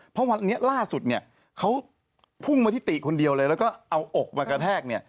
เพราะวันนี้ล่าสุดเนี่ยเขาพุ่งมาที่ติคนเดียวเลยแล้วก็เอาอกมากระแทกเนี่ย